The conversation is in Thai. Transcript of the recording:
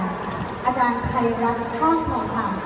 อาจารย์ไทยรัฐฮ่อมทองเท่า